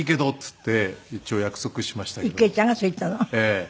ええ。